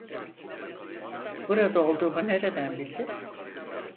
Burada olduğumu nereden bildin?